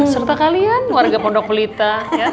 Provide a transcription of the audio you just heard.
serta kalian warga pondok pelita